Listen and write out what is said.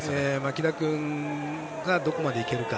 木田君がどこまでいけるか。